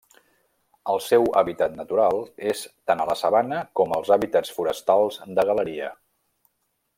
El seu hàbitat natural és tant a la sabana com els hàbitats forestals de galeria.